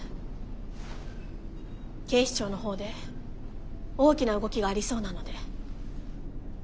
警視庁のほうで大きな動きがありそうなので。